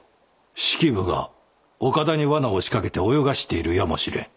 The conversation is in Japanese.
式部が岡田に罠を仕掛けて泳がしているやもしれん。